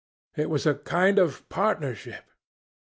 It was a kind of partnership.